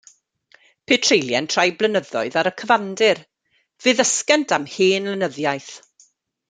Pe treulient rai blynyddoedd ar y Cyfandir, fe ddysgent am hen lenyddiaeth.